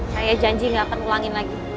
saya janji gak akan ulangin lagi